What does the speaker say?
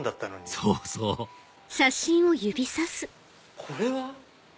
そうそうこれは？